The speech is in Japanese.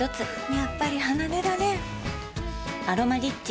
やっぱり離れられん「アロマリッチ」